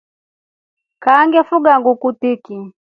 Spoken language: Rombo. Kaa ngefuga nguku tiki.